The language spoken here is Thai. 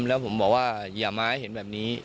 แล้วผมบอกว่าอย่ามาให้เห็นแบบนี้